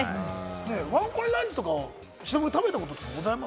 ワンコインランチとか忍君、食べたことってございます？